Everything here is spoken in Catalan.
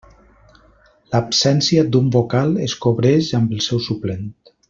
L'absència d'un vocal es cobreix amb el seu suplent.